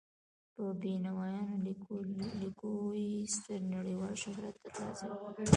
په بینوایان لیکلو یې ستر نړیوال شهرت تر لاسه کړی.